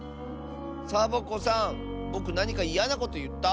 サボ子さんぼくなにかいやなこといった？